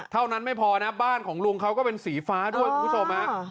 เท่านั้นไม่พอนะบ้านของลุงเขาก็เป็นสีฟ้าด้วยคุณผู้ชมฮะ